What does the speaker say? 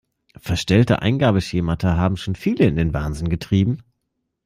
Verstellte Eingabeschemata haben schon viele in den Wahnsinn getrieben.